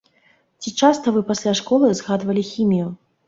Ці часта вы пасля школы згадвалі хімію?